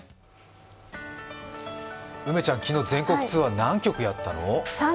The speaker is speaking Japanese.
梅ちゃん昨日、全国ツアー何曲やったの？